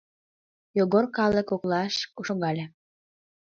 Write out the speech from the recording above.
Йогор калык коклаш шогале.